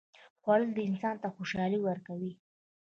خوړل انسان ته خوشالي ورکوي